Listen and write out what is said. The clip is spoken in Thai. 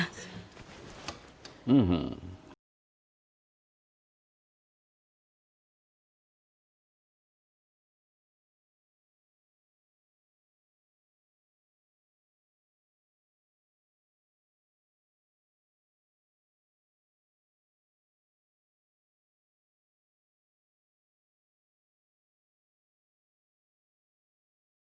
โปรดติดตามตอนต่อไป